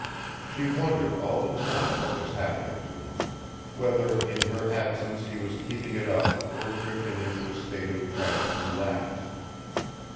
She wondered all the time what was happening to him; whether in her absence he was keeping it up or drifting into a state of tragic relapse.